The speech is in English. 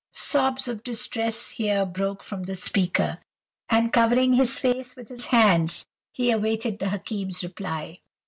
"Sobs of distress here broke from the speaker; and, covering his face with his hands, he awaited the Hakim's reply.